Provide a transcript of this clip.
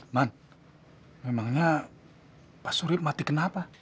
man memangnya pak surip mati kenapa